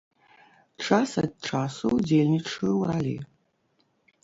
Час ад часу ўдзельнічаю ў ралі.